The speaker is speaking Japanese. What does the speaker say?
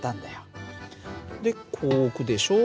でこう置くでしょ。